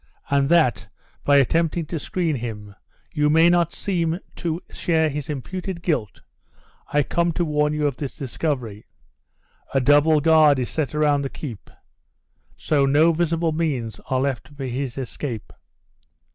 And that, by attempting to screen him, you may not seem to share his imputed guilt, I come to warn you of this discovery. A double guard is set around the keep; so no visible means are left for his escape."